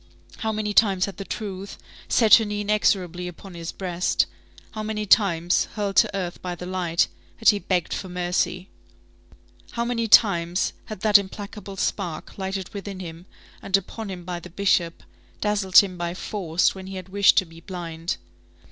How many times had the truth set her knee inexorably upon his breast! How many times, hurled to earth by the light, had he begged for mercy! How many times had that implacable spark, lighted within him, and upon him by the Bishop, dazzled him by force when he had wished to be blind!